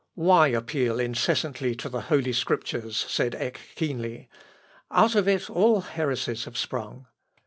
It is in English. "Why appeal incessantly to the Holy Scriptures?" said Eck keenly; "out of it all heresies have sprung."